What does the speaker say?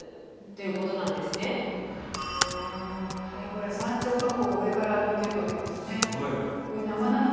これ山頂火口を上から見てるわけですね。